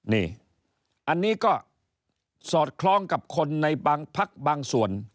นี่อันนี้ก็สอดคล้องกับคนในบางพักบางส่วน